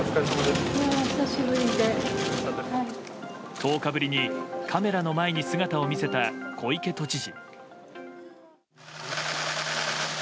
１０日ぶりにカメラの前に姿を見せた小池都知事。